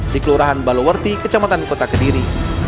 di kelurahan balowerti kecamatan kota kediri